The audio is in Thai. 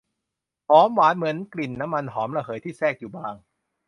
หอมหวานเหมือนกลิ่นน้ำมันหอมระเหยที่แทรกอยู่บาง